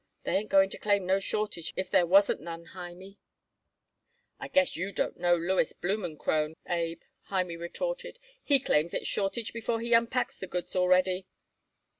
They ain't going to claim no shortage if there wasn't none, Hymie." "I guess you don't know Louis Blumenkrohn, Abe," Hymie retorted. "He claims it shortage before he unpacks the goods already."